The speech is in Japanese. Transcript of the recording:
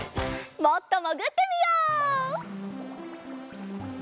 もっともぐってみよう！